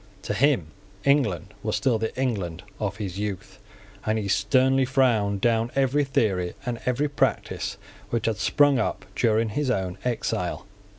To him England was still the England of his youth; and he sternly frowned down every theory and every practice which had sprung up during his own exile.